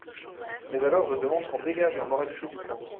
Mais alors je demande qu'on dégage la moralité du conte.